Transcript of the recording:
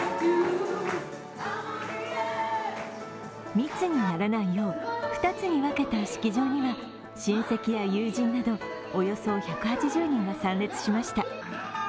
密にならないよう、２つに分けた式場には親戚や友人などおよそ１８０人が参列しました。